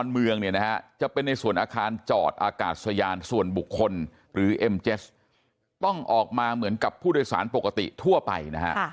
เพื่อคุมตัวไปยังเริ่มจำพิเศษกรุงเทพฯกรุงอีกสามเวลา